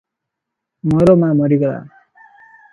ମୋର ମା ମରିଗଲା ।